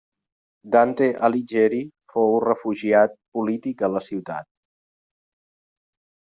Dante Alighieri fou refugiat polític a la ciutat.